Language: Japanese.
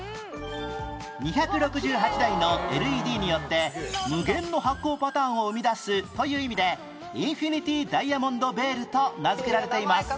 ２６８台の ＬＥＤ によって無限の発光パターンを生み出すという意味でインフィニティ・ダイヤモンドヴェールと名付けられています